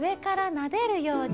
なでるように？